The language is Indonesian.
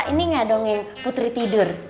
ini enggak dong yang putri tidur